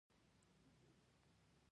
کلي افغانانو ته په معنوي لحاظ ارزښت لري.